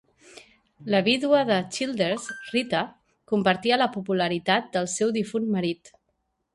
La vídua de Childers, Rita, compartia la popularitat del seu difunt marit.